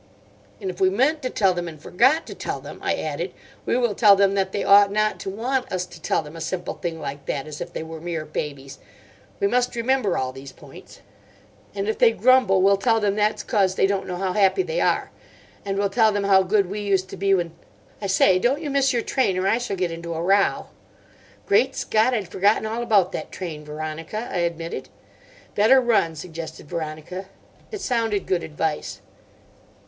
"And if we meant to tell them and forgot to tell them," I added, "we will tell them that they ought not to want us to tell them a simple thing like that, as if they were mere babies. We must remember all these points." "And if they grumble we'll tell them that's 'cos they don't know how happy they are. And we'll tell them how good we used to be when—I say, don't you miss your train, or I shall get into a row." "Great Scott! I'd forgotten all about that train, Veronica," I admitted. "Better run," suggested Veronica. It sounded good advice.